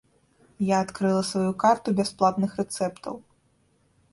Я адкрыла сваю карту бясплатных рэцэптаў.